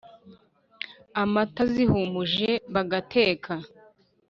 Amata zihumuje bagateka